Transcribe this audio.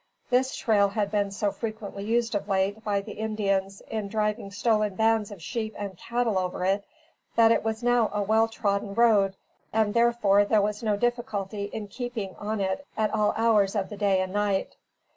This trail had been so frequently used of late by the Indians in driving stolen bands of sheep and cattle over it, that it was now a well trodden road and therefore there was no difficulty in keeping on it at all hours of the day and night.